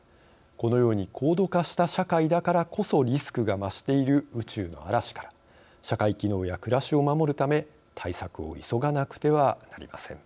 このように高度化した社会だからこそリスクが増している「宇宙の嵐」から社会機能や暮らしを守るため対策を急がなくてはなりません。